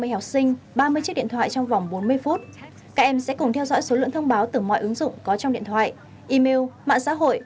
ba mươi học sinh ba mươi chiếc điện thoại trong vòng bốn mươi phút các em sẽ cùng theo dõi số lượng thông báo từ mọi ứng dụng có trong điện thoại email mạng xã hội